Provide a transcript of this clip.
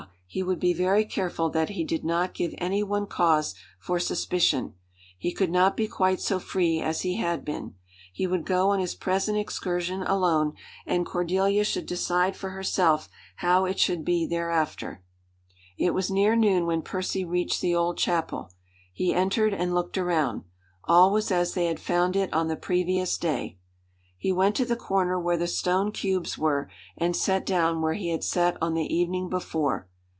he would be very careful that he did not give any one cause for suspicion. He could not be quite so free as he had been. He would go on his present excursion alone, and Cordelia should decide for herself how it should be thereafter. It was near noon when Percy reached the old chapel. He entered and looked around. All was as they had found it on the previous day. He went to the corner where the stone cubes were, and sat down where he had sat on the evening before.